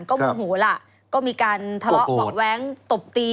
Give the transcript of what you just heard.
ก็มุ่งหูล่ะก็มีการทะเลาะบอกแว้งตบตี